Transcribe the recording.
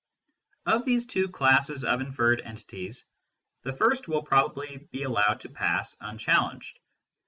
Of these two classes of inferred entities, the first will probably be allowed to pass unchallenged.